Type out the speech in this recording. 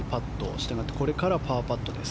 したがってこれからパーパットです。